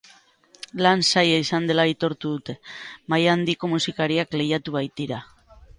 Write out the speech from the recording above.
Lan zaila izan dela aitortu dute, maila handiko musikariak lehiatu baitira.